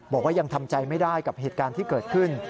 บอกว่ายังทำใจไม่ได้กับเหตุการณ์ที่เกิดขึ้น